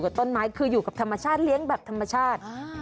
กับต้นไม้อยู่ข้างหน้าเลี้ยงแบบธรรมชาติ